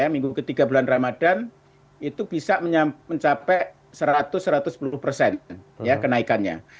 minggu ketiga bulan ramadan itu bisa mencapai satu ratus satu ratus sepuluh persen kenaikannya